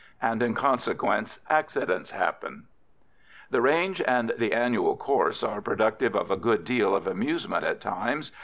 And, in consequence, accidents happen. The range and the annual course are productive of a good deal of amusement, at times.